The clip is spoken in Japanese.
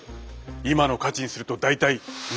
今の価値にすると大体２，５００万円。